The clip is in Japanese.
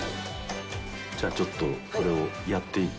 じゃあちょっとこれをやって。